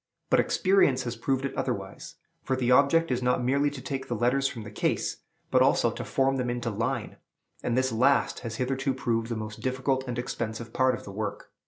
But experience has proved it otherwise; for the object is not merely to take the letters from the case, but also to form them into line; and this last has hitherto proved the most difficult and expensive part of the work.